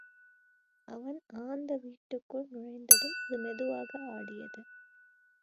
அவன் ஆந்த விட்டுக்குள்ளே நுழைந்ததும், அது மெதுவாக ஆடியது.